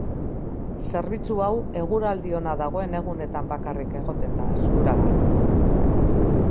Zerbitzu hau eguraldi ona dagoen egunetan bakarrik egoten da eskuragarri.